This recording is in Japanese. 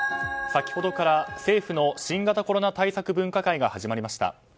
先ほどから政府の新型コロナ対策分科会が始まりました。